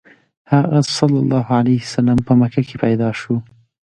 هغه ﷺ په مکه کې پیدا شو.